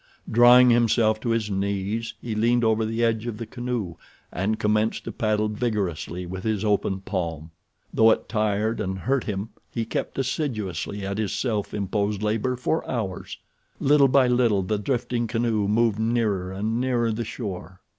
Drawing himself to his knees he leaned over the edge of the canoe and commenced to paddle vigorously with his open palm. Though it tired and hurt him he kept assiduously at his self imposed labor for hours. Little by little the drifting canoe moved nearer and nearer the shore.